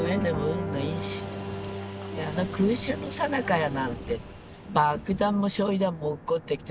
空襲のさなかやなんて爆弾も焼い弾も落っこってきて。